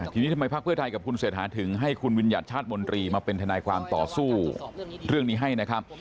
ทีนี้ทำไมพักเพื่อไทยกับคุณเศรษฐาถึงให้คุณวิญญัติชาติมนตรีมาเป็นทนายความต่อสู้เรื่องนี้ให้นะครับ